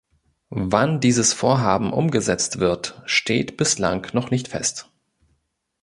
Wann dieses Vorhaben umgesetzt wird, steht bislang noch nicht fest.